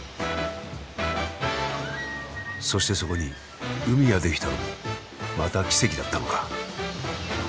そしてそこに海が出来たのもまた奇跡だったのか。